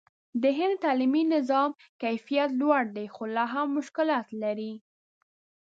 د هند د تعلیمي نظام کیفیت لوړ دی، خو لا هم مشکلات لري.